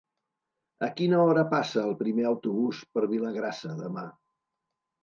A quina hora passa el primer autobús per Vilagrassa demà?